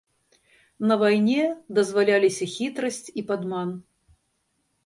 На вайне дазваляліся хітрасць і падман.